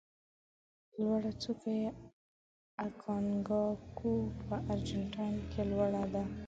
لوړه څوکه یې اکانکاګو په ارجنتاین کې لوړه ده.